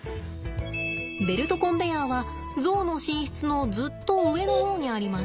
ベルトコンベヤーはゾウの寝室のずっと上の方にあります。